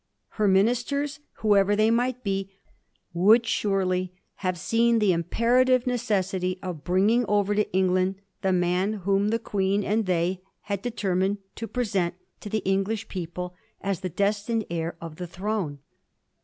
Her ministers, whoever they might be, would surely have seen the imperative necessity of bringing over to England the man whom the Queen and they had determined to present to the English people as the destined heir of the throne.